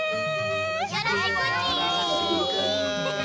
よろしくち。